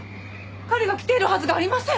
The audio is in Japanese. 彼が来ているはずがありません！